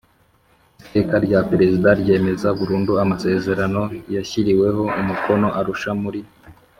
Iteka rya Perezida ryemeza burundu amasezerano yashyiriweho umukono Arusha muri